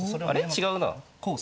違うな。